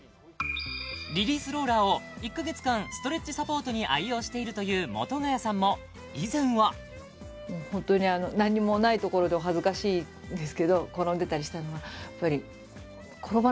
リリースローラーを１か月間ストレッチサポートに愛用しているというもとがやさんも以前は本当に何にもないところでお恥ずかしいんですけど